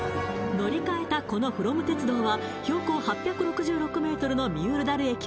乗り換えたこのフロム鉄道は標高８６６ｍのミュールダル